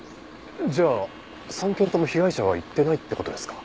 じゃあ３軒とも被害者は行ってないって事ですか？